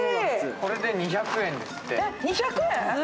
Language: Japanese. これで２００円ですって。